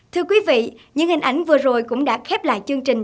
thưa quý vị những hình ảnh vừa rồi cũng đã khép lại chương trình